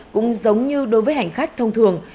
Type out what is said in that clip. cũng giống như đối với hành khách thông thường